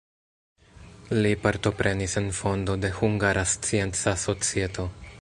Li partoprenis en fondo de Hungara Scienca Societo.